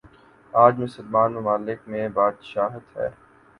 آج مسلمان ممالک میںبادشاہت ہے۔